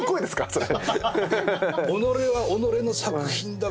それ。